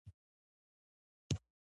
شنه ساحه د مسیر بدلول اسانه کوي